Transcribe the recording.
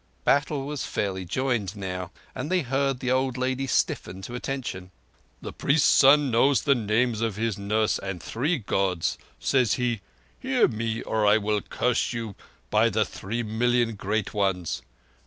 Battle was fairly joined now, and they heard the old lady stiffen to attention. "The priest's son knows the names of his nurse and three Gods. Says he: 'Hear me, or I will curse you by the three million Great Ones.